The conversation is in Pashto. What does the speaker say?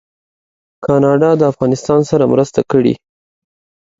کاناډا د افغانستان سره مرسته کړې.